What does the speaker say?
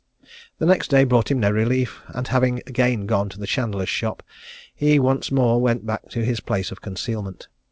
The next day brought him no relief; and having again gone to the chandler's shop, he once more went back to his place of concealment.